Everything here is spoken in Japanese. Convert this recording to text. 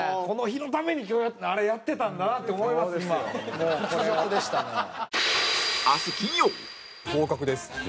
この日のためにあれやってたんだなって思います